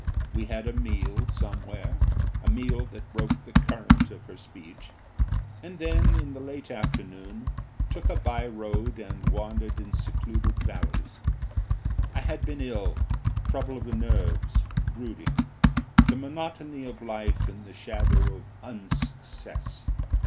We had a meal somewhere a meal that broke the current of her speech and then, in the late afternoon, took a by road and wandered in secluded valleys. I had been ill; trouble of the nerves, brooding, the monotony of life in the shadow of unsuccess.